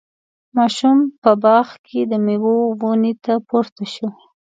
ماشوم په باغ کې د میوو ونې ته پورته شو.